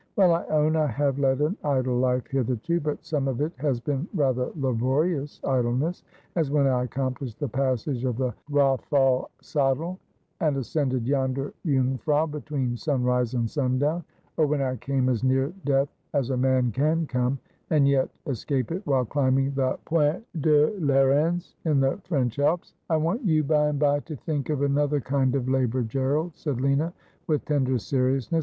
' Well, I own I have led an idle life hitherto, but some of it has been rather laborious idleness ; as when I accomplished the passage of the Roththal Sattel and ascended yonder Jung frau between sunrise and sundown ; or when I came as near death as a ni m, can come, and yet escape it, while climbing the Pointe dts lciij ^, in the French Alps.' 'I want you by and by to think of another kind of labour, Gerald,' said Lina, with tender seriousness.